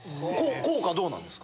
効果、どうなんですか？